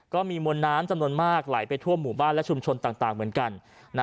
ก็มีมวลน้ำจำนวนมากไหลไปทั่วหมู่บ้านและชุมชนต่างเหมือนกัน